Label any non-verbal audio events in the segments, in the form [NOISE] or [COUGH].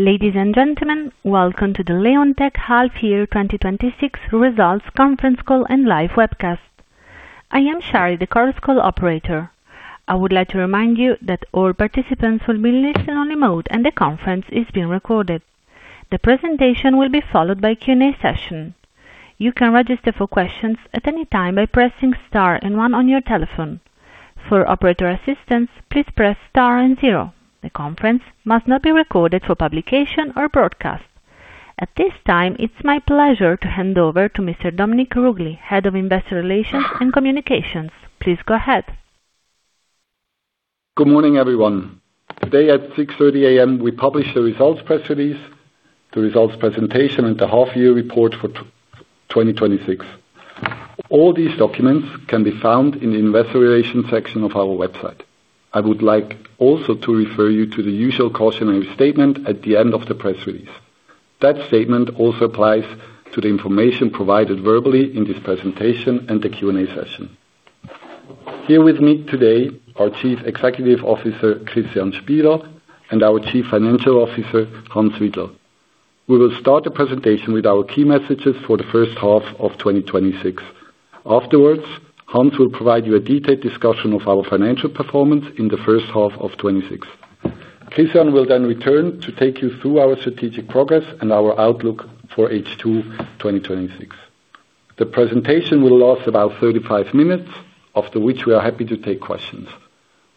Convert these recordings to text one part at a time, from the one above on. Ladies and gentlemen, welcome to the Leonteq half year 2026 results conference call and live webcast. I am Shari, the conference call operator. I would like to remind you that all participants will be in listen-only mode, and the conference is being recorded. The presentation will be followed by a Q&A session. You can register for questions at any time by pressing star and one on your telephone. For operator assistance, please press star and zero. The conference must not be recorded for publication or broadcast. At this time, it's my pleasure to hand over to Mr. Dominik Ruggli, Head of Investor Relations and Communications. Please go ahead. Good morning, everyone. Today at 6:30 A.M., we published the results press release, the results presentation, and the half-year report for 2026. All these documents can be found in the investor relations section of our website. I would like also to refer you to the usual cautionary statement at the end of the press release. That statement also applies to the information provided verbally in this presentation and the Q&A session. Here with me today, our Chief Executive Officer, Christian Spieler, and our Chief Financial Officer, Hans Widler. We will start the presentation with our key messages for the first half of 2026. Afterwards, Hans will provide you a detailed discussion of our financial performance in the first half of 2026. Christian will then return to take you through our strategic progress and our outlook for H2 2026. The presentation will last about 35 minutes, after which we are happy to take questions.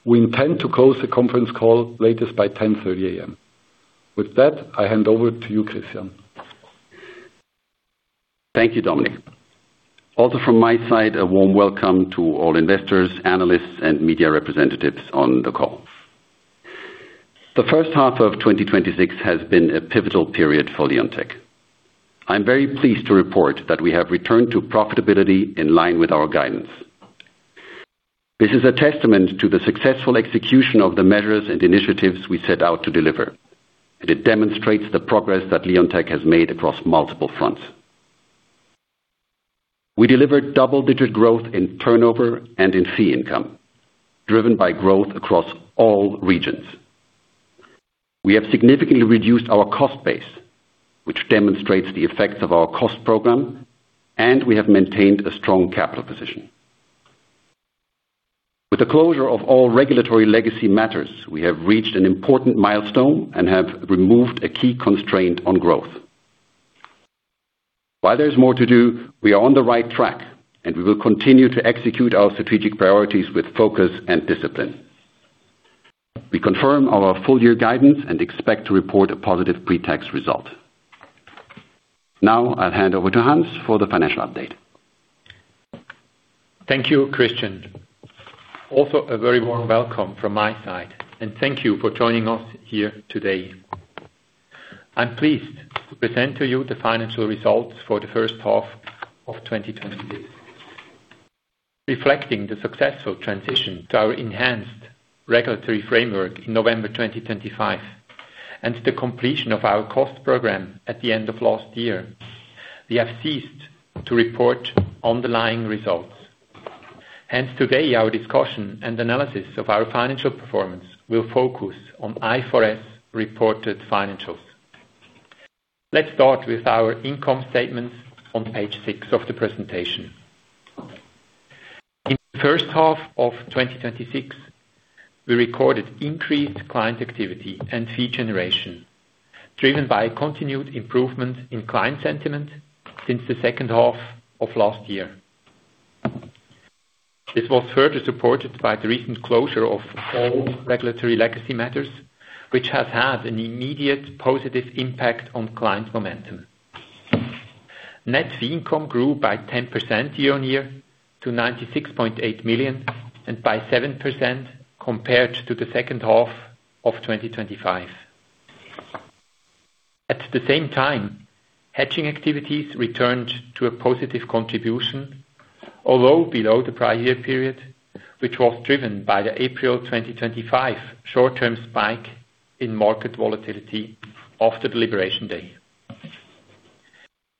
We intend to close the conference call latest by 10:30 A.M. With that, I hand over to you, Christian. Thank you, Dominik. Also from my side, a warm welcome to all investors, analysts, and media representatives on the call. The first half of 2026 has been a pivotal period for Leonteq. I am very pleased to report that we have returned to profitability in line with our guidance. This is a testament to the successful execution of the measures and initiatives we set out to deliver, and it demonstrates the progress that Leonteq has made across multiple fronts. We delivered double-digit growth in turnover and in fee income, driven by growth across all regions. We have significantly reduced our cost base, which demonstrates the effects of our cost program, and we have maintained a strong capital position. With the closure of all regulatory legacy matters, we have reached an important milestone and have removed a key constraint on growth. While there's more to do, we are on the right track. We will continue to execute our strategic priorities with focus and discipline. We confirm our full-year guidance and expect to report a positive pre-tax result. Now, I'll hand over to Hans for the financial update. Thank you, Christian. A very warm welcome from my side, and thank you for joining us here today. I'm pleased to present to you the financial results for the first half of 2026. Reflecting the successful transition to our enhanced regulatory framework in November 2025 and the completion of our cost program at the end of last year, we have ceased to report underlying results. Today, our discussion and analysis of our financial performance will focus on IFRS-reported financials. Let's start with our income statements on page six of the presentation. In the first half of 2026, we recorded increased client activity and fee generation, driven by continued improvement in client sentiment since the second half of last year. This was further supported by the recent closure of all regulatory legacy matters, which has had an immediate positive impact on client momentum. Net fee income grew by 10% year-on-year to 96.8 million and by 7% compared to the second half of 2025. At the same time, hedging activities returned to a positive contribution, although below the prior year period, which was driven by the April 2025 short-term spike in market volatility after the Liberation Day.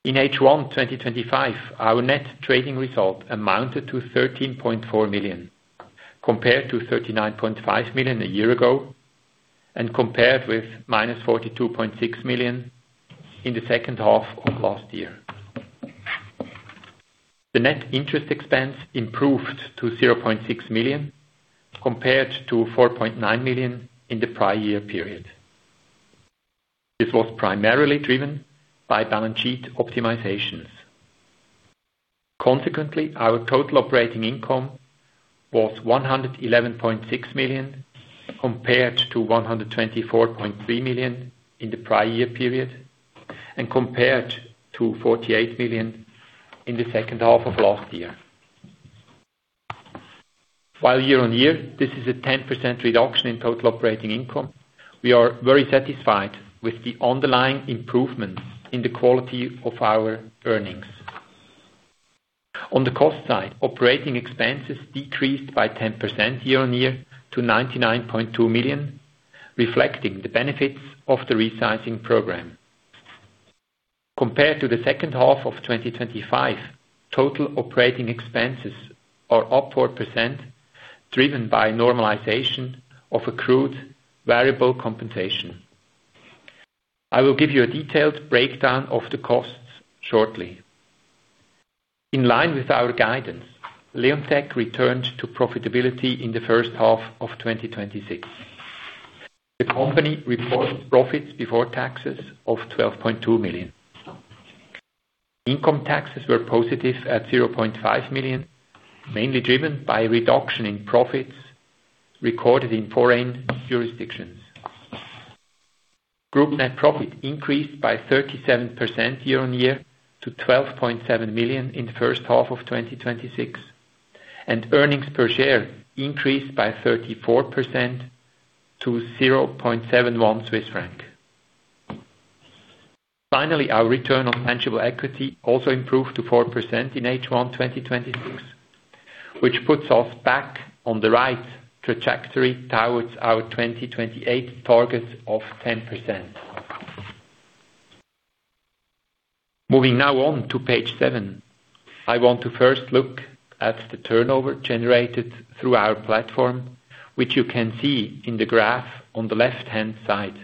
In H1 2025, our net trading result amounted to 13.4 million, compared to 39.5 million a year ago and compared with -42.6 million in the second half of last year. The net interest expense improved to 0.6 million compared to 4.9 million in the prior year period. This was primarily driven by balance sheet optimizations. Our total operating income was 111.6 million, compared to 124.3 million in the prior year period and compared to 48 million in the second half of last year. While year-on-year, this is a 10% reduction in total operating income, we are very satisfied with the underlying improvements in the quality of our earnings. On the cost side, operating expenses decreased by 10% year-on-year to 99.2 million, reflecting the benefits of the resizing program. Compared to the second half of 2025, total operating expenses are up 4%, driven by normalization of accrued variable compensation. I will give you a detailed breakdown of the costs shortly. In line with our guidance, Leonteq returned to profitability in the first half of 2026. The company reported profits before taxes of 12.2 million. Income taxes were positive at 0.5 million, mainly driven by a reduction in profits recorded in foreign jurisdictions. Group net profit increased by 37% year-on-year to 12.7 million in the first half of 2026, and earnings per share increased by 34% to 0.71 Swiss franc. Finally, our return on tangible equity also improved to 4% in H1 2026, which puts us back on the right trajectory towards our 2028 targets of 10%. Moving now on to page seven. I want to first look at the turnover generated through our platform, which you can see in the graph on the left-hand side.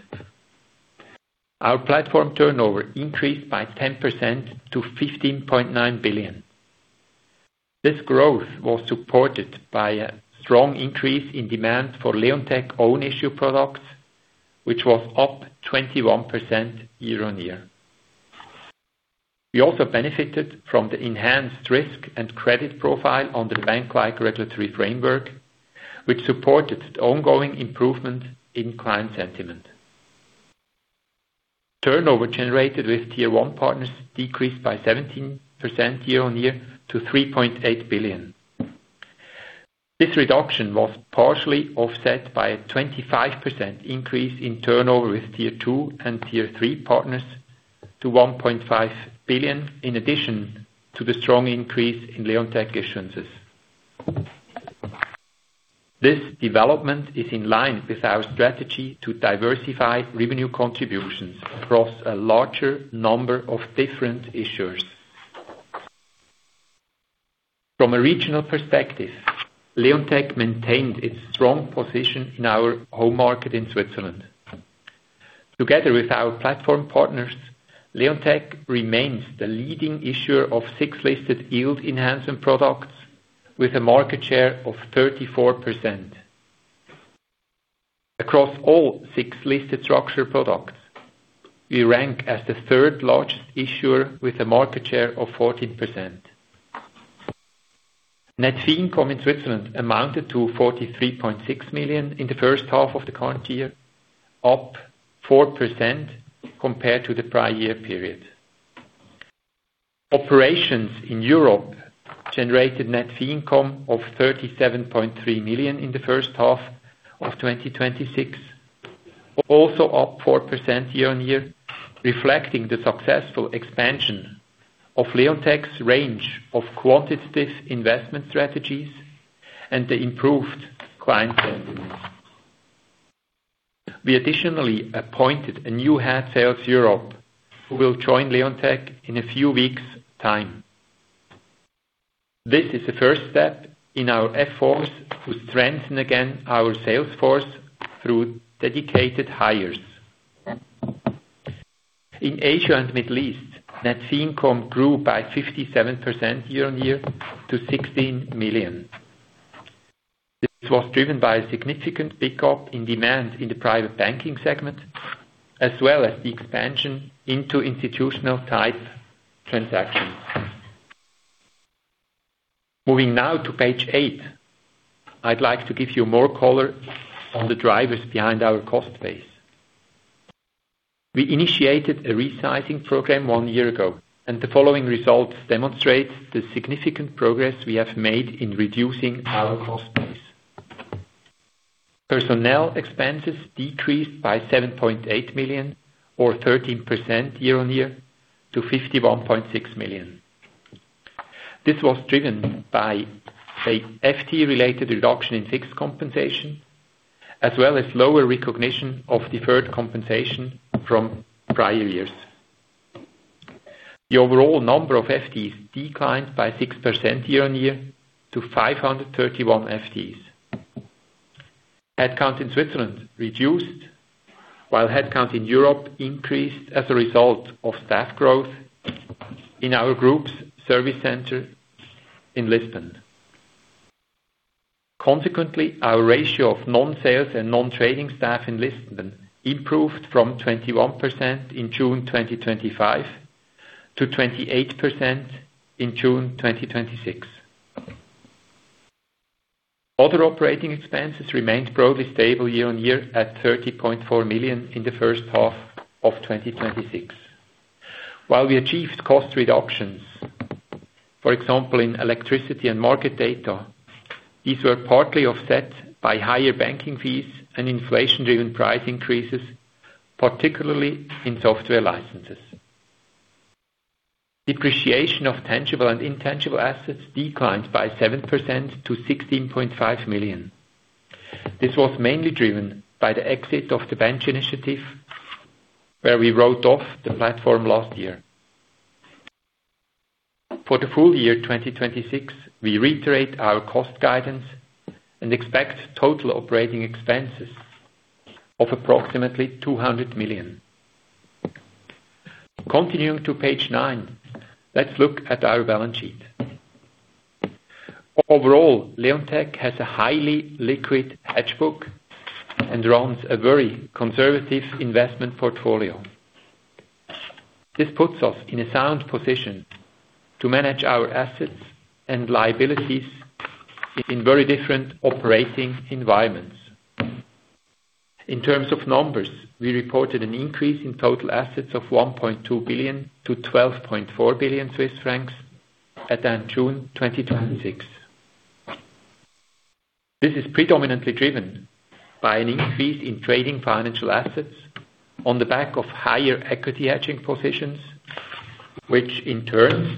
Our platform turnover increased by 10% to 15.9 billion. This growth was supported by a strong increase in demand for Leonteq own-issue products, which was up 21% year-on-year. We also benefited from the enhanced risk and credit profile under the bank-like regulatory framework, which supported the ongoing improvement in client sentiment. Turnover generated with Tier One partners decreased by 17% year-on-year to 3.8 billion. This reduction was partially offset by a 25% increase in turnover with Tier Two and Tier Three partners to 1.5 billion, in addition to the strong increase in Leonteq issuances. This development is in line with our strategy to diversify revenue contributions across a larger number of different issuers. From a regional perspective, Leonteq maintained its strong position in our home market in Switzerland. Together with our platform partners, Leonteq remains the leading issuer of six listed yield enhancement products with a market share of 34%. Across all six listed structure products, we rank as the third largest issuer with a market share of 14%. Net fee income in Switzerland amounted to 43.6 million in the first half of the current year, up 4% compared to the prior year period. Operations in Europe generated net fee income of 37.3 million in the first half of 2026, also up 4% year-on-year, reflecting the successful expansion of Leonteq's range of quantitative investment strategies and the improved client [INAUDIBLE] We additionally appointed a new head sales Europe, who will join Leonteq in a few weeks' time. This is the first step in our efforts to strengthen again our sales force through dedicated hires. In Asia and Middle East, net fee income grew by 57% year-on-year to 16 million. This was driven by a significant pickup in demand in the private banking segment, as well as the expansion into institutional-type transactions. Moving now to page eight, I'd like to give you more color on the drivers behind our cost base. We initiated a resizing program one year ago, and the following results demonstrate the significant progress we have made in reducing our cost base. Personnel expenses decreased by 7.8 million or 13% year-on-year to 51.6 million. This was driven by a FTE-related reduction in fixed compensation, as well as lower recognition of deferred compensation from prior years. The overall number of FTEs declined by 6% year-on-year to 531 FTEs. Headcount in Switzerland reduced, while headcount in Europe increased as a result of staff growth in our group's service center in Lisbon. Consequently, our ratio of non-sales and non-trading staff in Lisbon improved from 21% in June 2025 to 28% in June 2026. Other operating expenses remained broadly stable year-on-year at 30.4 million in the first half of 2026. While we achieved cost reductions, for example, in electricity and market data, these were partly offset by higher banking fees and inflation-driven price increases, particularly in software licenses. Depreciation of tangible and intangible assets declined by 7% to 16.5 million. This was mainly driven by the exit of the bench initiative, where we wrote off the platform last year. For the full year 2026, we reiterate our cost guidance and expect total operating expenses of approximately 200 million. Continuing to page nine, let's look at our balance sheet. Overall, Leonteq has a highly liquid hedge book and runs a very conservative investment portfolio. This puts us in a sound position to manage our assets and liabilities in very different operating environments. In terms of numbers, we reported an increase in total assets of 1.2 billion-12.4 billion Swiss francs at end June 2026. This is predominantly driven by an increase in trading financial assets on the back of higher equity hedging positions, which in turn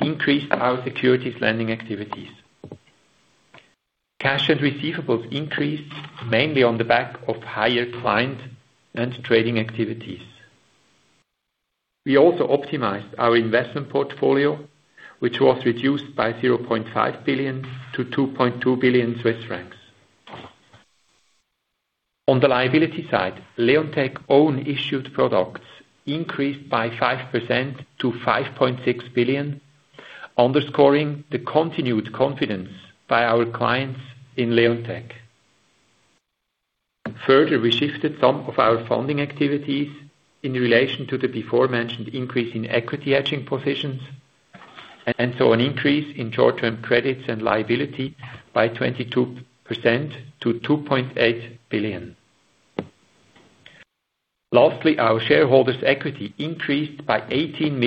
increased our securities lending activities. Cash and receivables increased mainly on the back of higher client and trading activities. We also optimized our investment portfolio, which was reduced by 0.5 billion-2.2 billion Swiss francs. On the liability side, Leonteq own-issued products increased by 5% to 5.6 billion, underscoring the continued confidence by our clients in Leonteq. We shifted some of our funding activities in relation to the before-mentioned increase in equity hedging positions, and so an increase in short-term credits and liability by 22% to 2.8 billion. Lastly, our shareholders' equity increased by 18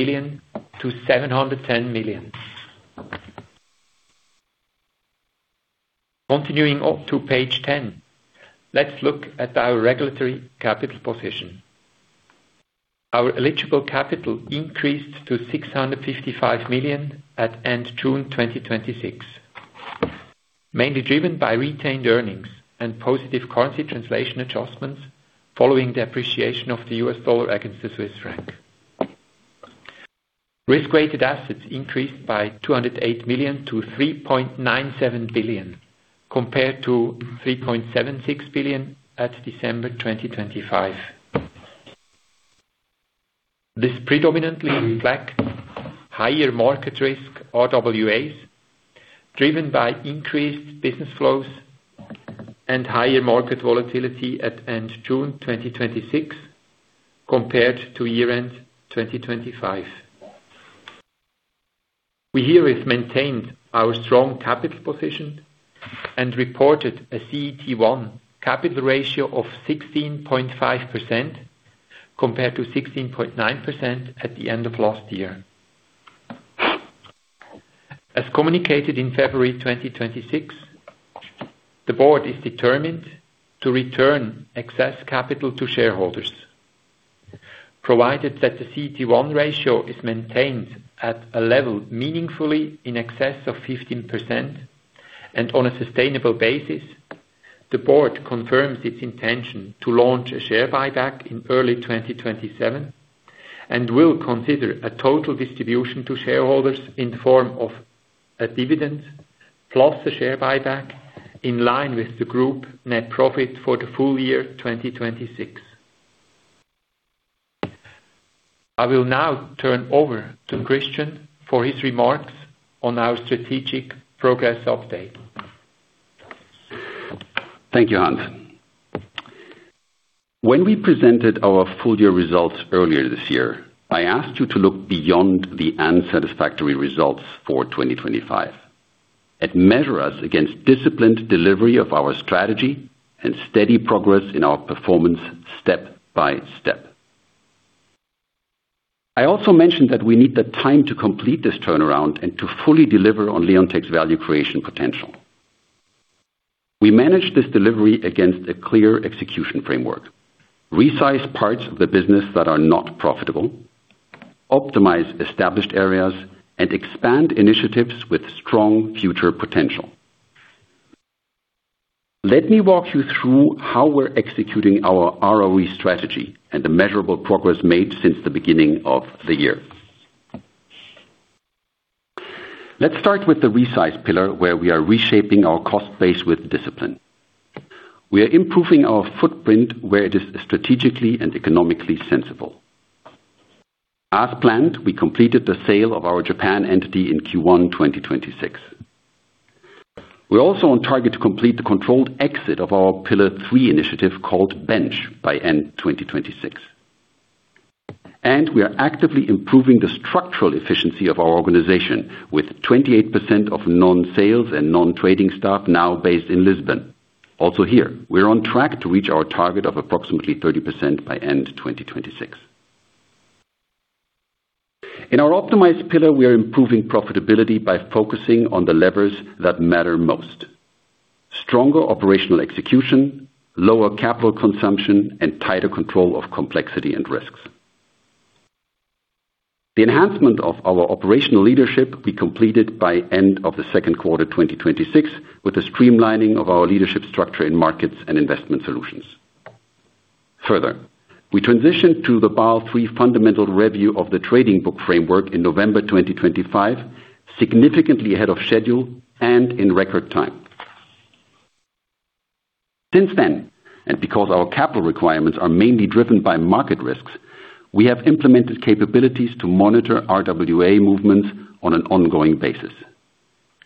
million-710 million. Continuing on to page 10, let's look at our regulatory capital position. Our eligible capital increased to 655 million at end June 2026, mainly driven by retained earnings and positive currency translation adjustments following the appreciation of the U.S. dollar against the Swiss franc. Risk-weighted assets increased by 208 million to 3.97 billion, compared to 3.76 billion at December 2025. This predominantly reflects higher market risk RWAs driven by increased business flows and higher market volatility at end June 2026 compared to year-end 2025. We herein maintained our strong capital position and reported a CET1 capital ratio of 16.5% compared to 16.9% at the end of last year. As communicated in February 2026, the Board is determined to return excess capital to shareholders provided that the CET1 ratio is maintained at a level meaningfully in excess of 15% and on a sustainable basis. The Board confirms its intention to launch a share buyback in early 2027 and will consider a total distribution to shareholders in the form of a dividend plus a share buyback in line with the group net profit for the full year 2026. I will now turn over to Christian for his remarks on our strategic progress update. Thank you, Hans. When we presented our full year results earlier this year, I asked you to look beyond the unsatisfactory results for 2025 and measure us against disciplined delivery of our strategy and steady progress in our performance step by step. I also mentioned that we need the time to complete this turnaround and to fully deliver on Leonteq's value creation potential. We manage this delivery against a clear execution framework, Resize parts of the business that are not profitable, Optimise established areas, and Expand initiatives with strong future potential. Let me walk you through how we're executing our ROE strategy and the measurable progress made since the beginning of the year. Let's start with the Resize pillar, where we are reshaping our cost base with discipline. We are improving our footprint where it is strategically and economically sensible. As planned, we completed the sale of our Japan entity in Q1 2026. We're also on target to complete the controlled exit of our pillar three initiative called bench by end 2026. We are actively improving the structural efficiency of our organization with 28% of non-sales and non-trading staff now based in Lisbon. Also here, we're on track to reach our target of approximately 30% by end 2026. In our optimized pillar, we are improving profitability by focusing on the levers that matter most. Stronger operational execution, lower capital consumption, and tighter control of complexity and risks. The enhancement of our operational leadership be completed by end of the second quarter 2026 with the streamlining of our leadership structure in markets and investment solutions. Further, we transitioned to the Basel III fundamental review of the trading book framework in November 2025, significantly ahead of schedule and in record time. Since then, because our capital requirements are mainly driven by market risks, we have implemented capabilities to monitor RWA movements on an ongoing basis.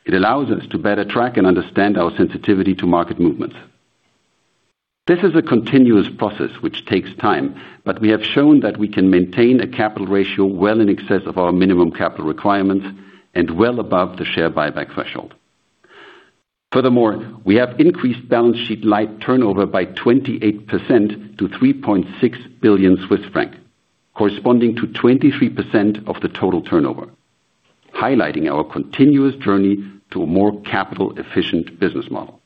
It allows us to better track and understand our sensitivity to market movements. This is a continuous process which takes time, we have shown that we can maintain a capital ratio well in excess of our minimum capital requirements and well above the share buyback threshold. Furthermore, we have increased balance sheet light turnover by 28% to 3.6 billion Swiss francs, corresponding to 23% of the total turnover, highlighting our continuous journey to a more capital-efficient business model.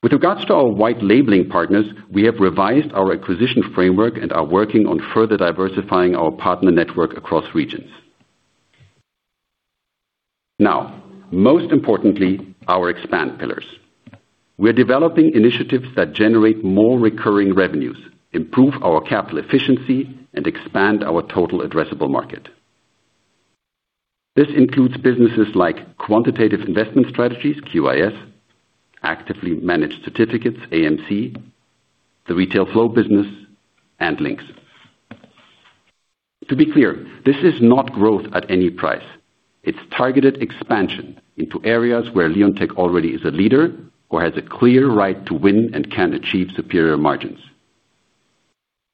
With regards to our white labeling partners, we have revised our acquisition framework and are working on further diversifying our partner network across regions. Most importantly, our Expand pillars. We are developing initiatives that generate more recurring revenues, improve our capital efficiency, and expand our total addressable market. This includes businesses like quantitative investment strategies, QIS, actively managed certificates, AMC, the retail flow business, and LYNQS. To be clear, this is not growth at any price. It's targeted expansion into areas where Leonteq already is a leader or has a clear right to win and can achieve superior margins.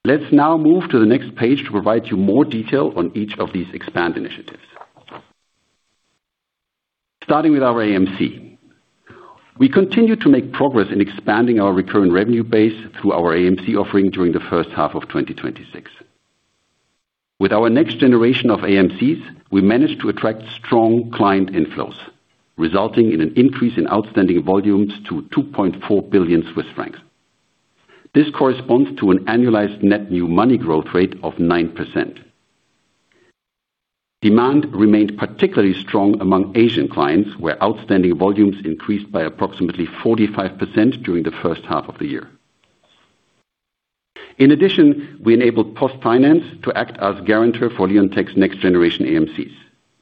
Let's now move to the next page to provide you more detail on each of these expand initiatives. Starting with our AMC. We continue to make progress in expanding our recurring revenue base through our AMC offering during the first half of 2026. With our next generation of AMCs, we managed to attract strong client inflows, resulting in an increase in outstanding volumes to 2.4 billion Swiss francs. This corresponds to an annualized net new money growth rate of 9%. Demand remained particularly strong among Asian clients, where outstanding volumes increased by approximately 45% during the first half of the year. In addition, we enabled PostFinance to act as guarantor for Leonteq's next generation AMCs.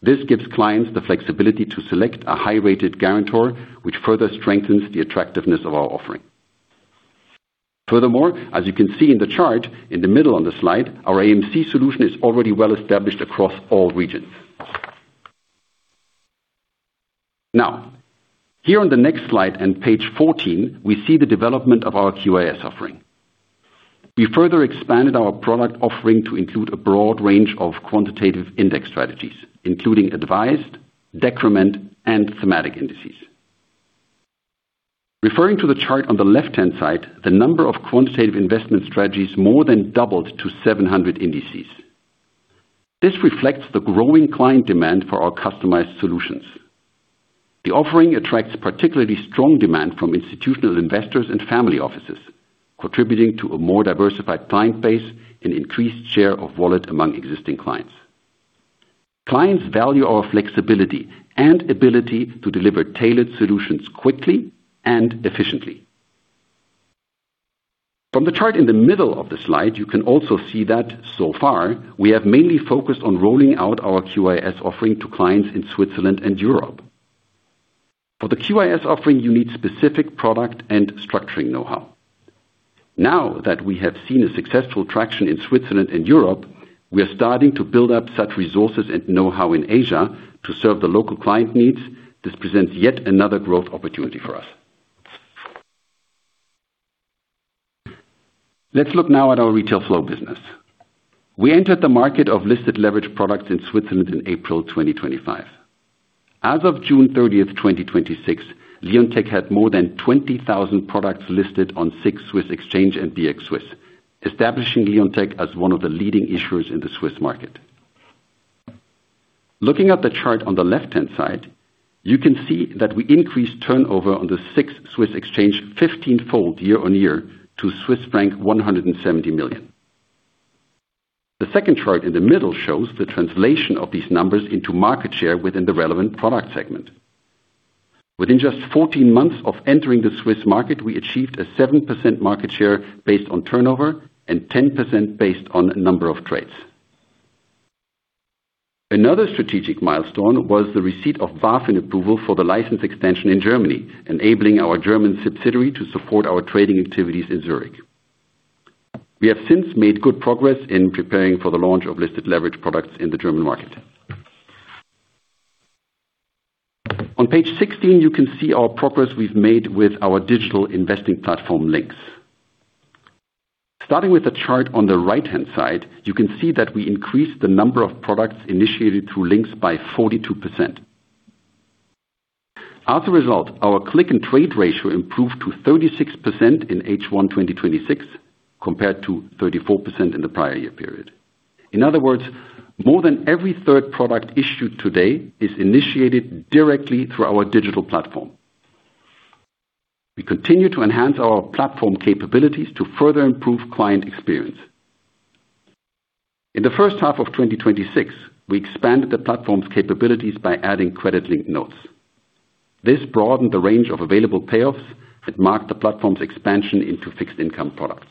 This gives clients the flexibility to select a high-rated guarantor, which further strengthens the attractiveness of our offering. Furthermore, as you can see in the chart in the middle on the slide, our AMC solution is already well-established across all regions. Here on the next slide and page 14, we see the development of our QIS offering. We further expanded our product offering to include a broad range of quantitative index strategies, including advised, decrement, and thematic indices. Referring to the chart on the left-hand side, the number of quantitative investment strategies more than doubled to 700 indices. This reflects the growing client demand for our customized solutions. The offering attracts particularly strong demand from institutional investors and family offices, contributing to a more diversified client base and increased share of wallet among existing clients. Clients value our flexibility and ability to deliver tailored solutions quickly and efficiently. From the chart in the middle of the slide, you can also see that so far, we have mainly focused on rolling out our QIS offering to clients in Switzerland and Europe. For the QIS offering, you need specific product and structuring know-how. Now that we have seen a successful traction in Switzerland and Europe, we are starting to build up such resources and know-how in Asia to serve the local client needs. This presents yet another growth opportunity for us. Let's look now at our retail flow business. We entered the market of listed leverage products in Switzerland in April 2025. As of June 30th, 2026, Leonteq had more than 20,000 products listed on SIX Swiss Exchange and BX Swiss, establishing Leonteq as one of the leading issuers in the Swiss market. Looking at the chart on the left-hand side, you can see that we increased turnover on the SIX Swiss Exchange 15-fold year-on-year to Swiss franc 170 million. The second chart in the middle shows the translation of these numbers into market share within the relevant product segment. Within just 14 months of entering the Swiss market, we achieved a 7% market share based on turnover and 10% based on number of trades. Another strategic milestone was the receipt of BaFin approval for the license extension in Germany, enabling our German subsidiary to support our trading activities in Zurich. We have since made good progress in preparing for the launch of listed leverage products in the German market. On page 16, you can see our progress we've made with our digital investing platform LYNQS. Starting with the chart on the right-hand side, you can see that we increased the number of products initiated through LYNQS by 42%. As a result, our click-and-trade ratio improved to 36% in H1 2026, compared to 34% in the prior year period. In other words, more than every third product issued today is initiated directly through our digital platform. We continue to enhance our platform capabilities to further improve client experience. In the first half of 2026, we expanded the platform's capabilities by adding credit-linked notes. This broadened the range of available payoffs and marked the platform's expansion into fixed income products.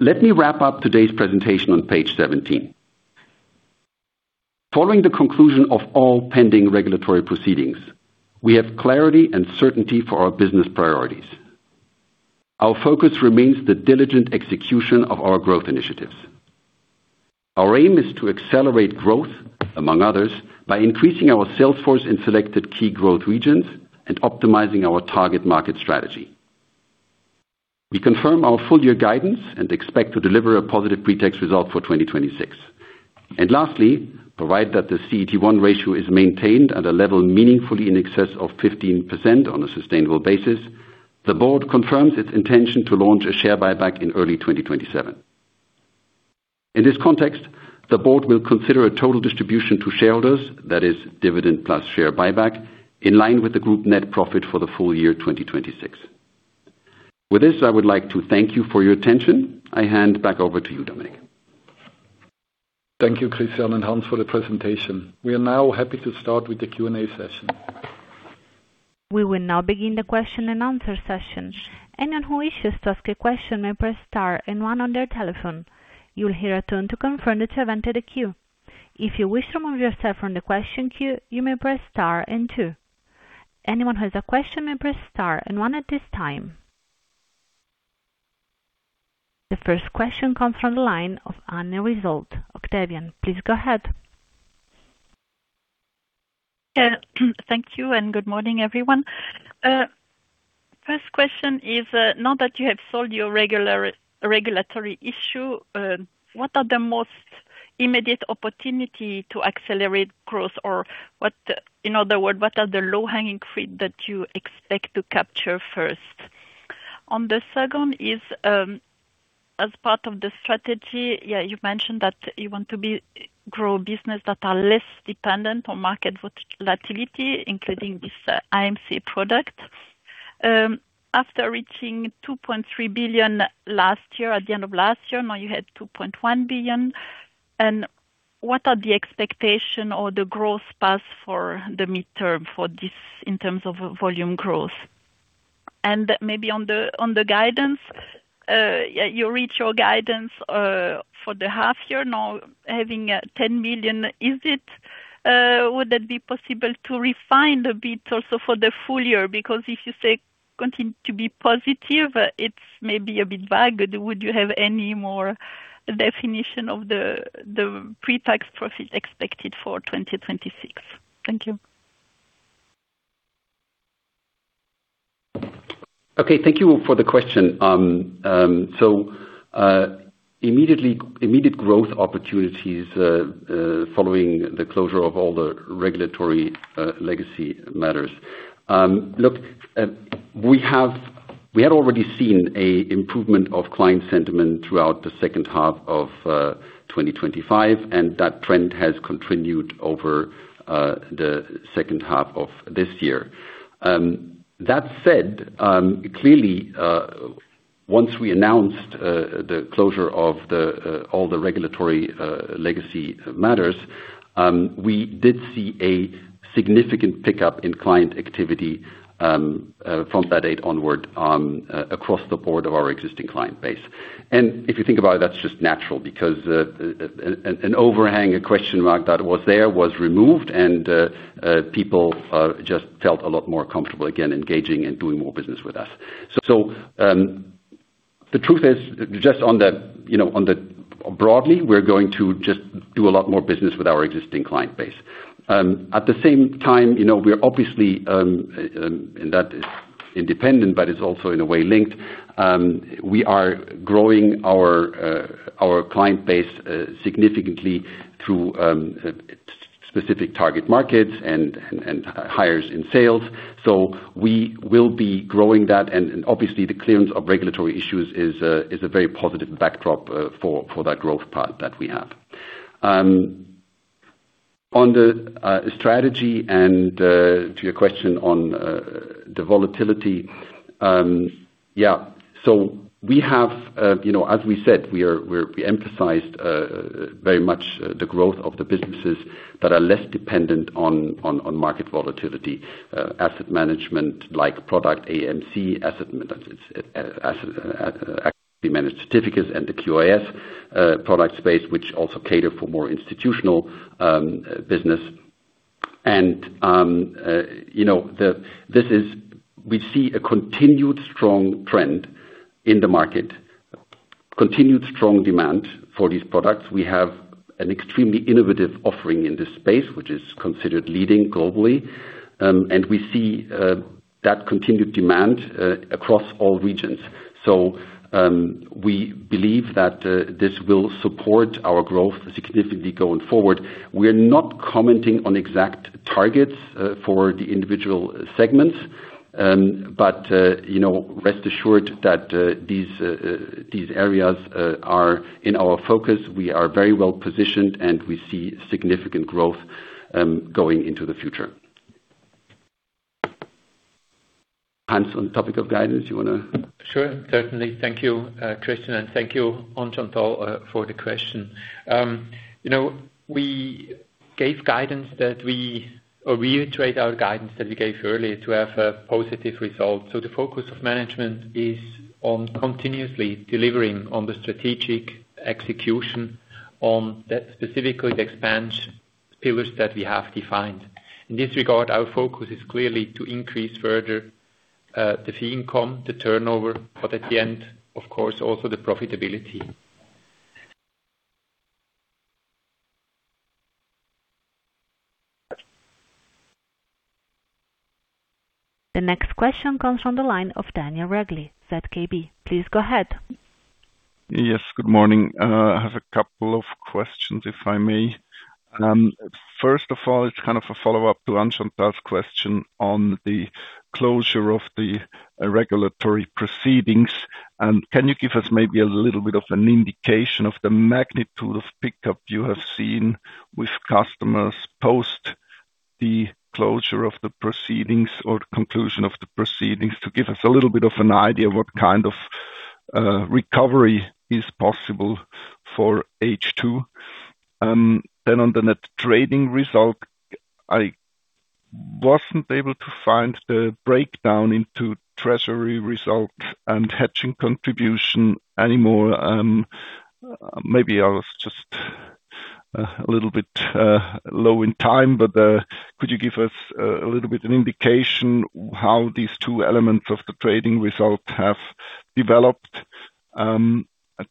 Let me wrap up today's presentation on page 17. Following the conclusion of all pending regulatory proceedings, we have clarity and certainty for our business priorities. Our focus remains the diligent execution of our growth initiatives. Our aim is to accelerate growth, among others, by increasing our sales force in selected key growth regions and optimizing our target market strategy. We confirm our full-year guidance and expect to deliver a positive pretax result for 2026. Lastly, provided that the CET1 ratio is maintained at a level meaningfully in excess of 15% on a sustainable basis, the Board confirms its intention to launch a share buyback in early 2027. In this context, the Board will consider a total distribution to shareholders, that is dividend plus share buyback, in line with the group net profit for the full year 2026. With this, I would like to thank you for your attention. I hand back over to you, Dominik. Thank you, Christian and Hans, for the presentation. We are now happy to start with the Q&A session. We will now begin the question-and-answer session. Anyone who wishes to ask a question may press star and one on their telephone. You will hear a tone to confirm that you have entered the queue. If you wish to remove yourself from the question queue, you may press star and two. Anyone who has a question may press star and one at this time. The first question comes from the line of Anne Risold, Octavian, please go ahead. Yeah. Thank you. Good morning, everyone. First question is, now that you have solved your regulatory issue, what are the most immediate opportunity to accelerate growth? Or, in other words, what are the low-hanging fruit that you expect to capture first? On the second is, as part of the strategy, you mentioned that you want to grow business that are less dependent on market volatility, including this AMC product. After reaching 2.3 billion at the end of last year, now you had 2.1 billion. What are the expectation or the growth path for the midterm for this in terms of volume growth? Maybe on the guidance, you reach your guidance for the half year. Now having 10 million, would that be possible to refine a bit also for the full year? Because if you say continue to be positive, it's maybe a bit vague. Would you have any more definition of the pre-tax profit expected for 2026? Thank you. Okay. Thank you for the question. Immediate growth opportunities following the closure of all the regulatory legacy matters. Look, we had already seen an improvement of client sentiment throughout the second half of 2025, that trend has continued over the second half of this year. That said, clearly once we announced the closure of all the regulatory legacy matters, we did see a significant pickup in client activity from that date onward across the board of our existing client base. If you think about it, that's just natural because an overhang, a question mark that was there was removed and people just felt a lot more comfortable, again, engaging and doing more business with us. The truth is, just on the broadly, we're going to just do a lot more business with our existing client base. At the same time, we're obviously, and that is independent, but it's also in a way linked, we are growing our client base significantly through specific target markets and hires in sales. We will be growing that, obviously the clearance of regulatory issues is a very positive backdrop for that growth path that we have. On the strategy and to your question on the volatility, yeah. As we said, we emphasized very much the growth of the businesses that are less dependent on market volatility. Asset management like product AMC, actively managed certificates and the QIS product space, which also cater for more institutional business. We see a continued strong trend in the market, continued strong demand for these products. We have an extremely innovative offering in this space, which is considered leading globally. We see that continued demand across all regions. We believe that this will support our growth significantly going forward. We are not commenting on exact targets for the individual segments. Rest assured that these areas are in our focus. We are very well positioned, We see significant growth going into the future. Hans, on the topic of guidance, you want to- Sure. Certainly. Thank you, Christian, and thank you, Anne-Chantal for the question. We reiterate our guidance that we gave earlier to have a positive result. The focus of management is on continuously delivering on the strategic execution on that, specifically the expansion pillars that we have defined. In this regard, our focus is clearly to increase further the fee income, the turnover, but at the end, of course, also the profitability. The next question comes from the line of Daniel Regli, ZKB. Please go ahead. Yes. Good morning. I have a couple of questions, if I may. First of all, it's kind of a follow-up to Anne-Chantal's question on the closure of the regulatory proceedings. Can you give us maybe a little bit of an indication of the magnitude of pickup you have seen with customers post the closure of the proceedings or the conclusion of the proceedings, to give us a little bit of an idea of what kind of recovery is possible for H2? On the net trading result, I wasn't able to find the breakdown into treasury results and hedging contribution anymore. Maybe I was just a little bit low on time, but could you give us a little bit of an indication how these two elements of the trading result have developed?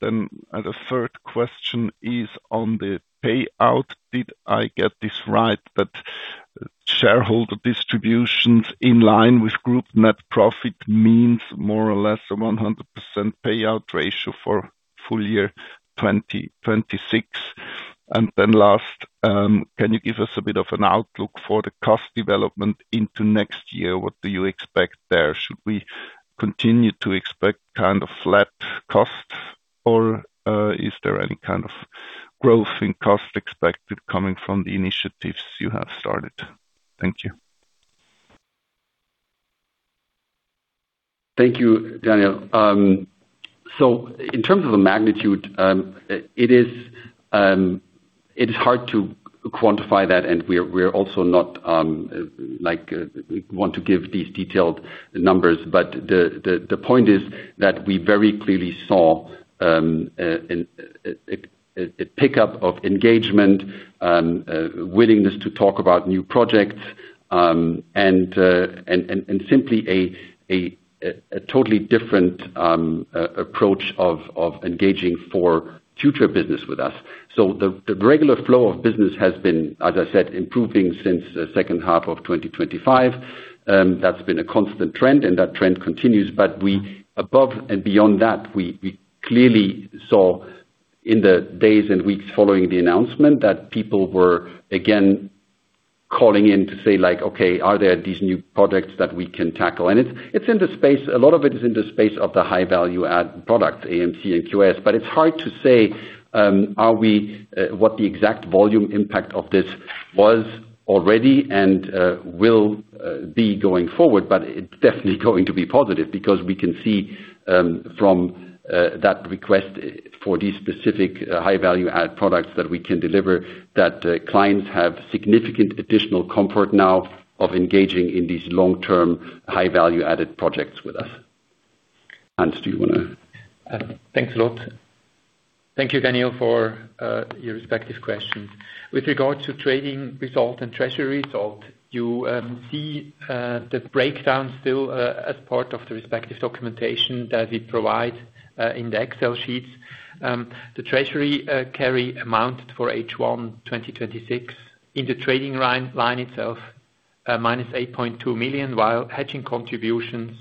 The third question is on the payout. Did I get this right that shareholder distributions in line with group net profit means more or less a 100% payout ratio for full year 2026? Last, can you give us a bit of an outlook for the cost development into next year? What do you expect there? Should we continue to expect kind of flat cost, or is there any kind of growth in cost expected coming from the initiatives you have started? Thank you. Thank you, Daniel. In terms of the magnitude, it is hard to quantify that, and we're also not want to give these detailed numbers, but the point is that we very clearly saw a pickup of engagement, willingness to talk about new projects, and simply a totally different approach of engaging for future business with us. The regular flow of business has been, as I said, improving since the second half of 2025. That's been a constant trend, and that trend continues. Above and beyond that, we clearly saw in the days and weeks following the announcement that people were again calling in to say, "Okay, are there these new products that we can tackle?" A lot of it is in the space of the high-value-add product, AMC and QIS. It's hard to say what the exact volume impact of this was already and will be going forward, but it's definitely going to be positive because we can see from that request for these specific high-value-add products that we can deliver that clients have significant additional comfort now of engaging in these long-term, high-value-added projects with us. Hans, do you want to- Thanks a lot. Thank you, Daniel, for your respective questions. With regard to trading results and treasury results, you see the breakdown still as part of the respective documentation that we provide in the Excel sheets. The treasury carry amount for H1 2026 in the trading line itself, -8.2 million, while hedging contributions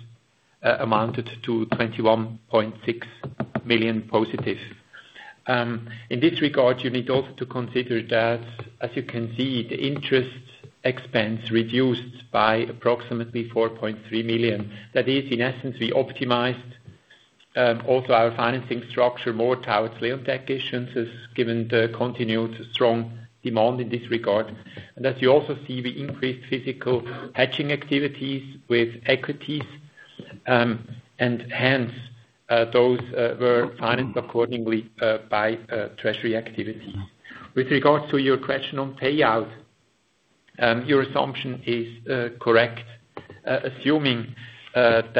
amounted to +21.6 million. In this regard, you need also to consider that, as you can see, the interest expense reduced by approximately 4.3 million. That is, in essence, we optimized also our financing structure more towards Leonteq issuance, given the continued strong demand in this regard. As you also see, we increased physical hedging activities with equities, and hence, those were financed accordingly by treasury activities. With regards to your question on payout, your assumption is correct. Assuming that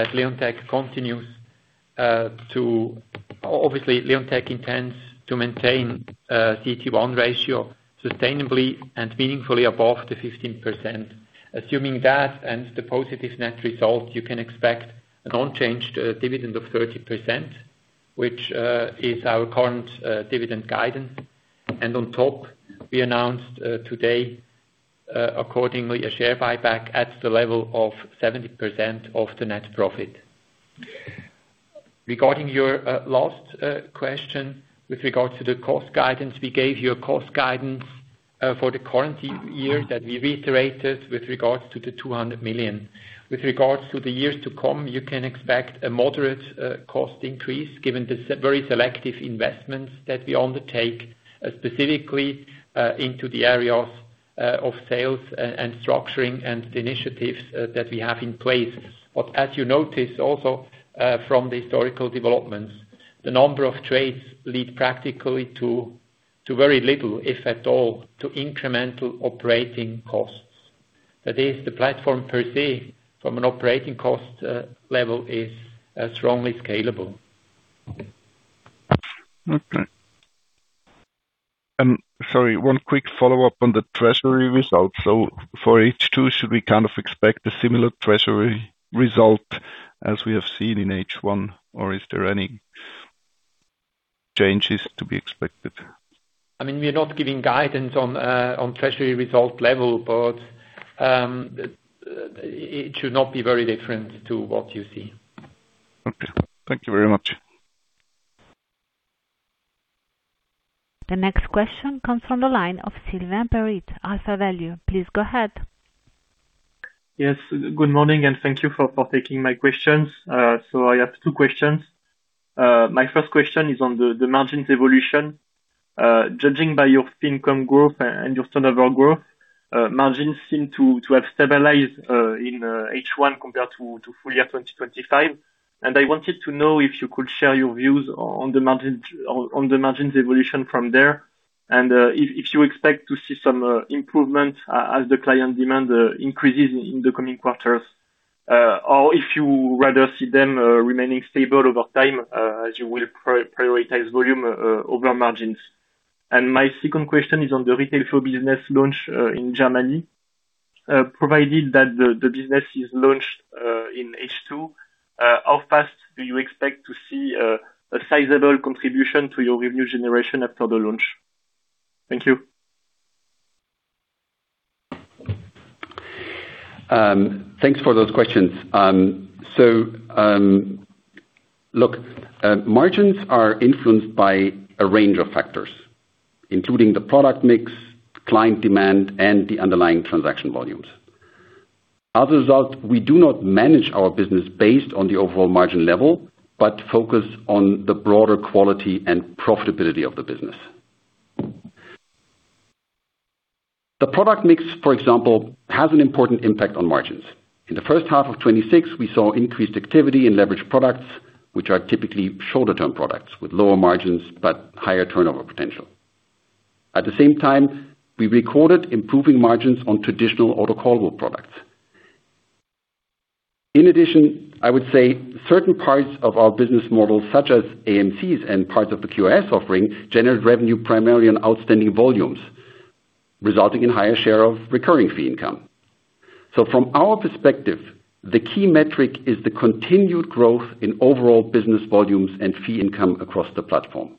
Leonteq intends to maintain a CET1 ratio sustainably and meaningfully above the 15%. Assuming that and the positive net result, you can expect an unchanged dividend of 30%, which is our current dividend guidance. On top, we announced today, accordingly, a share buyback at the level of 70% of the net profit. Regarding your last question with regard to the cost guidance, we gave you a cost guidance for the current year that we reiterated with regards to the 200 million. With regards to the years to come, you can expect a moderate cost increase given the very selective investments that we undertake, specifically into the areas of sales and structuring and the initiatives that we have in place. As you notice also from the historical developments, the number of trades lead practically to very little, if at all, to incremental operating costs. That is, the platform per se, from an operating cost level, is strongly scalable. Sorry, one quick follow-up on the treasury results. For H2, should we kind of expect a similar treasury result as we have seen in H1, or is there any changes to be expected? We're not giving guidance on treasury result level, it should not be very different to what you see. Okay. Thank you very much. The next question comes from the line of Sylvain Perret, AlphaValue. Please go ahead. Yes. Good morning, and thank you for taking my questions. I have two questions. My first question is on the margins evolution. Judging by your fee income growth and your turnover growth, margins seem to have stabilized in H1 compared to full year 2025. I wanted to know if you could share your views on the margins evolution from there, if you expect to see some improvement as the client demand increases in the coming quarters. If you would rather see them remaining stable over time as you will prioritize volume over margins. My second question is on the retail flow business launch in Germany. Provided that the business is launched in H2, how fast do you expect to see a sizable contribution to your revenue generation after the launch? Thank you. Thanks for those questions. Look, margins are influenced by a range of factors, including the product mix, client demand, and the underlying transaction volumes. As a result, we do not manage our business based on the overall margin level, but focus on the broader quality and profitability of the business. The product mix, for example, has an important impact on margins. In the first half of 2026, we saw increased activity in leverage products, which are typically shorter-term products with lower margins but higher turnover potential. At the same time, we recorded improving margins on traditional autocallable products. In addition, I would say certain parts of our business model, such as AMCs and parts of the QIS offering, generate revenue primarily on outstanding volumes, resulting in higher share of recurring fee income. From our perspective, the key metric is the continued growth in overall business volumes and fee income across the platform.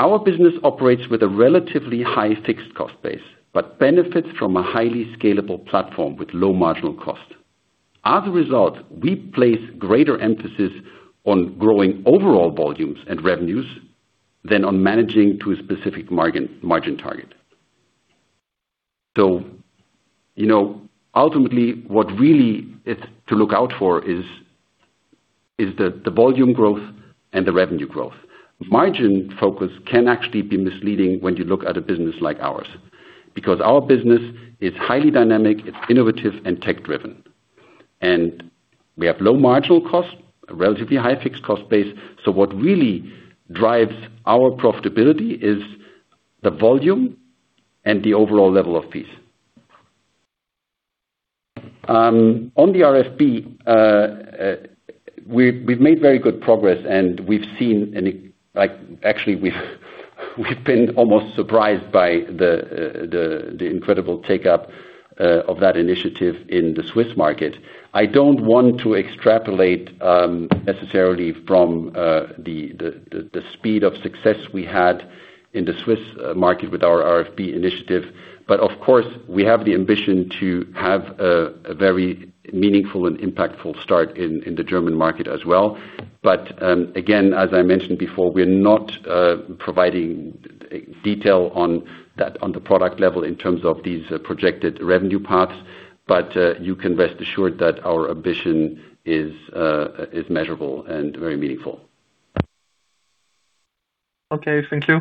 Our business operates with a relatively high fixed cost base, but benefits from a highly scalable platform with low marginal cost. As a result, we place greater emphasis on growing overall volumes and revenues than on managing to a specific margin target. Ultimately what really is to look out for is the volume growth and the revenue growth. Margin focus can actually be misleading when you look at a business like ours, because our business is highly dynamic, it's innovative, and tech-driven. We have low marginal cost, a relatively high fixed cost base. What really drives our profitability is the volume and the overall level of fees. On the RFP, we've made very good progress, we've been almost surprised by the incredible take-up of that initiative in the Swiss market. I don't want to extrapolate necessarily from the speed of success we had in the Swiss market with our RFP initiative. Of course, we have the ambition to have a very meaningful and impactful start in the German market as well. As I mentioned before, we're not providing detail on the product level in terms of these projected revenue parts, you can rest assured that our ambition is measurable and very meaningful. Okay, thank you.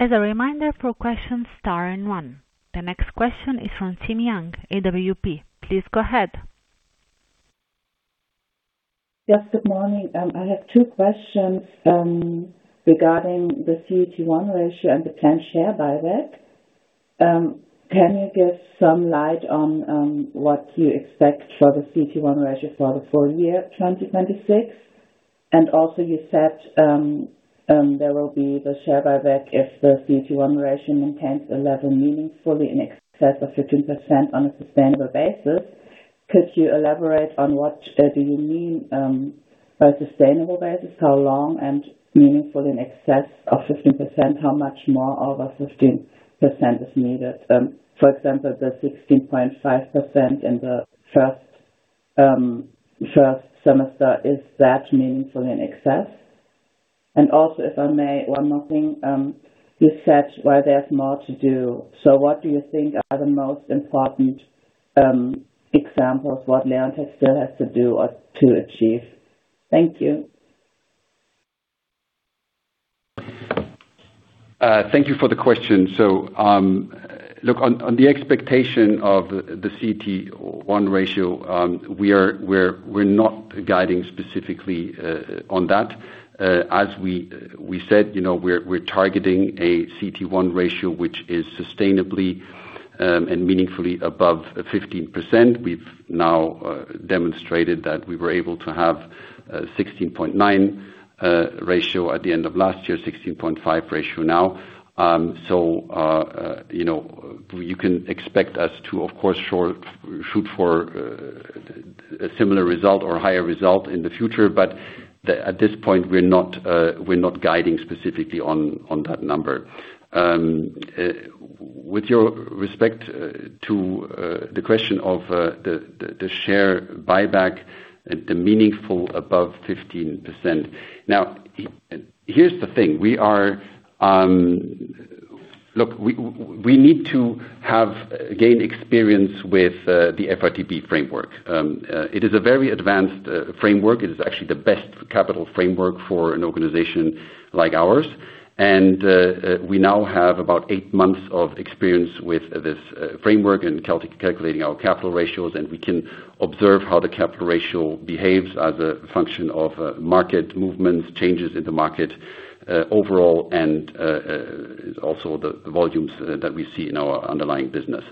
As a reminder for questions, star and one. The next question is from [Jenny Yang] AWP. Please go ahead. Yes, good morning. I have two questions regarding the CET1 ratio and the planned share buyback. Can you give some light on what you expect for the CET1 ratio for the full year 2026? You said there will be the share buyback if the CET1 ratio maintains a level meaningfully in excess of 15% on a sustainable basis. Could you elaborate on what do you mean by sustainable basis? How long and meaningful in excess of 15%? How much more over 15% is needed? For example, the 16.5% in the first semester, is that meaningful in excess? If I may, one more thing. What do you think are the most important Examples what Leonteq still has to do or to achieve. Thank you. Thank you for the question. Look, on the expectation of the CET1 ratio, we are not guiding specifically on that. As we said, we are targeting a CET1 ratio which is sustainably and meaningfully above 15%. We have now demonstrated that we were able to have 16.9 ratio at the end of last year, 16.5 ratio now. You can expect us to, of course, shoot for a similar result or higher result in the future. At this point we are not guiding specifically on that number. With your respect to the question of the share buyback, the meaningful above 15%. Here is the thing. Look, we need to have gained experience with the FRTB framework. It is a very advanced framework. It is actually the best capital framework for an organization like ours. We now have about eight months of experience with this framework and calculating our capital ratios, and we can observe how the capital ratio behaves as a function of market movements, changes in the market overall, and also the volumes that we see in our underlying business.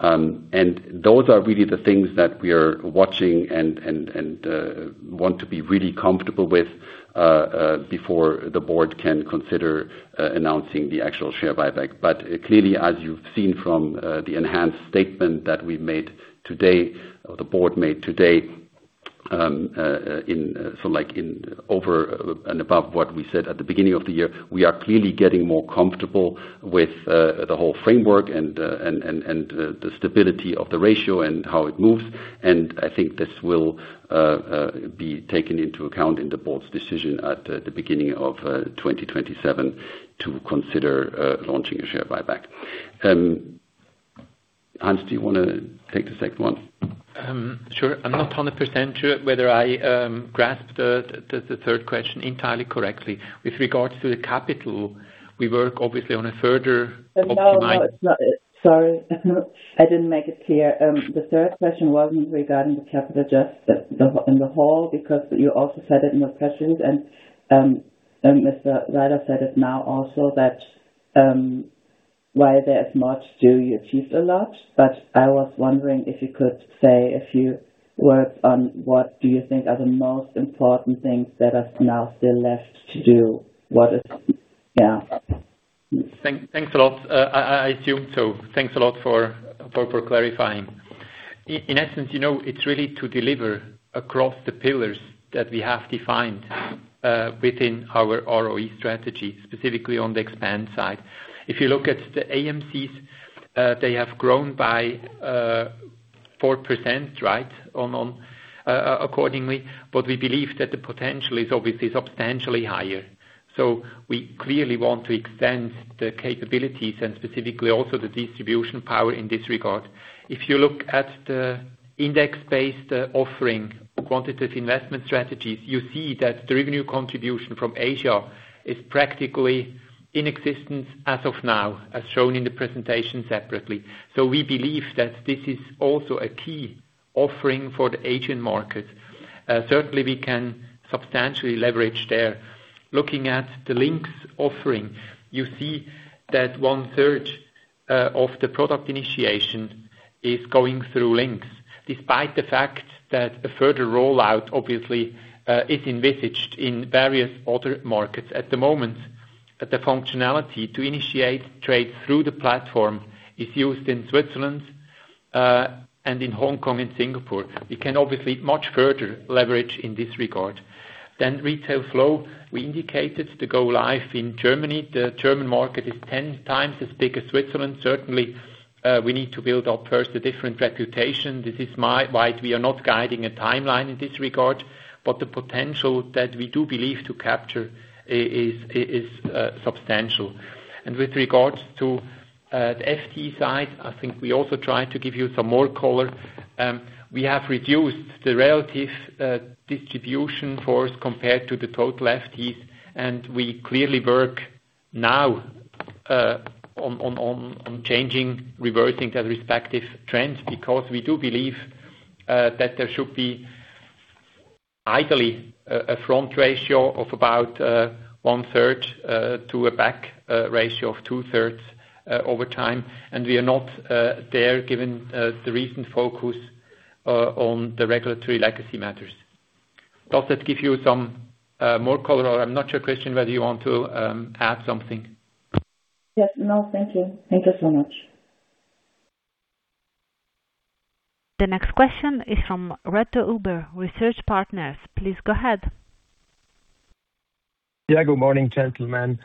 Those are really the things that we are watching and want to be really comfortable with before the Board can consider announcing the actual share buyback. Clearly, as you've seen from the enhanced statement that we've made today, or the board made today, in over and above what we said at the beginning of the year, we are clearly getting more comfortable with the whole framework and the stability of the ratio and how it moves. I think this will be taken into account in the Board's decision at the beginning of 2027 to consider launching a share buyback. Hans, do you want to take the second one? Sure. I'm not 100% sure whether I grasped the third question entirely correctly. With regards to the capital, we work obviously on a further optimized No, it's not it. Sorry. I didn't make it clear. The third question wasn't regarding the capital, just in the whole, because you also said it in the questions and Mr. [Widler] said it now also that while there's much, still you achieved a lot. I was wondering if you could say a few words on what do you think are the most important things that are now still left to do. What is? Thanks a lot. I assumed so. Thanks a lot for clarifying. In essence, it's really to deliver across the pillars that we have defined within our ROE strategy, specifically on the expand side. If you look at the AMCs, they have grown by 4%, right? Accordingly, we believe that the potential is obviously substantially higher. We clearly want to extend the capabilities and specifically also the distribution power in this regard. If you look at the index-based offering for quantitative investment strategies, you see that the revenue contribution from Asia is practically in existence as of now, as shown in the presentation separately. We believe that this is also a key offering for the Asian market. Certainly, we can substantially leverage there. Looking at the LYNQS offering, you see that 1/3 of the product initiation is going through LYNQS, despite the fact that a further rollout obviously is envisaged in various other markets at the moment. The functionality to initiate trades through the platform is used in Switzerland, and in Hong Kong and Singapore. We can obviously much further leverage in this regard. Retail flow, we indicated to go live in Germany. The German market is 10 times as big as Switzerland. Certainly, we need to build up first a different reputation. This is why we are not guiding a timeline in this regard, but the potential that we do believe to capture is substantial. With regards to the FTE side, I think we also try to give you some more color. We have reduced the relative distribution force compared to the total FTEs, and we clearly work now on changing, reversing the respective trends because we do believe that there should be ideally a front ratio of about 1/3 to a back ratio of 2/3 over time. We are not there, given the recent focus on the regulatory legacy matters. Does that give you some more color? I'm not sure, Christian, whether you want to add something. Yes. No, thank you. Thank you so much. The next question is from Reto Huber, Research Partners. Please go ahead. Yeah, good morning, gentlemen.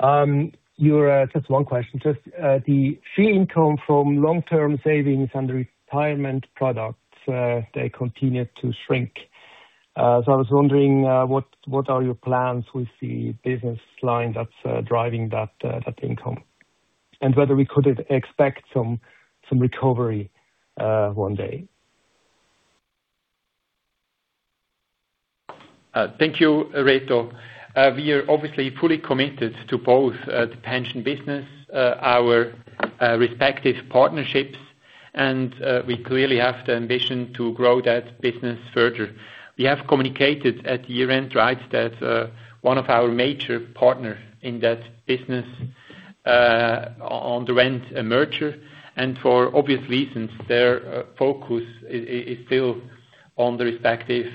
Just one question. Just the fee income from long-term savings and retirement products, they continue to shrink. I was wondering, what are your plans with the business line that's driving that income? Whether we could expect some recovery one day. Thank you, Reto. We are obviously fully committed to both the pension business, our respective partnerships, and we clearly have the ambition to grow that business further. We have communicated at year-end that one of our major partners in that business on the recent merger, for obvious reasons, their focus is still on the respective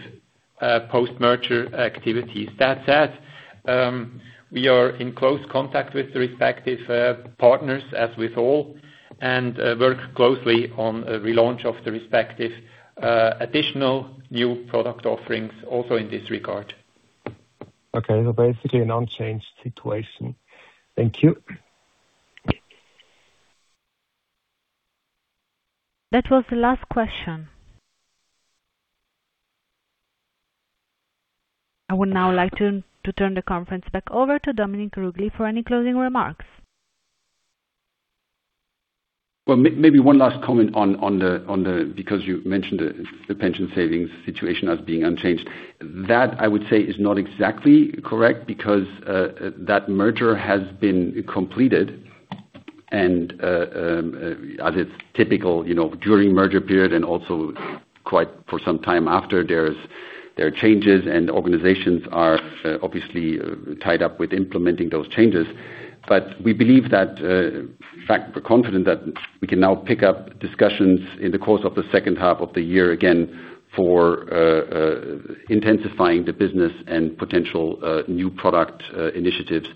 post-merger activities. That said, we are in close contact with the respective partners, as with all, and work closely on a relaunch of the respective additional new product offerings also in this regard. Okay, basically an unchanged situation. Thank you. That was the last question. I would now like to turn the conference back over to Dominik Ruggli for any closing remarks. Maybe one last comment on the because you mentioned the pension savings situation as being unchanged. That, I would say, is not exactly correct because that merger has been completed and as it's typical during merger period and also quite for some time after, there are changes and organizations are obviously tied up with implementing those changes. We believe that In fact, we're confident that we can now pick up discussions in the course of the second half of the year again for intensifying the business and potential new product initiatives.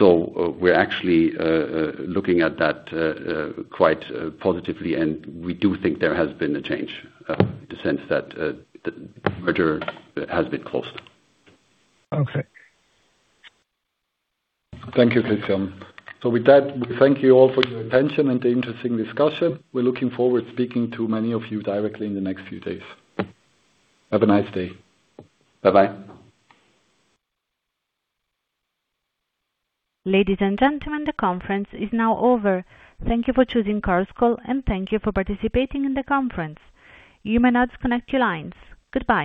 We're actually looking at that quite positively, and we do think there has been a change, in the sense that the merger has been closed. Okay. Thank you, Christian. With that, we thank you all for your attention and the interesting discussion. We're looking forward to speaking to many of you directly in the next few days. Have a nice day. Bye-bye. Ladies and gentlemen, the conference is now over. Thank you for choosing Chorus Call, and thank you for participating in the conference. You may now disconnect your lines. Goodbye.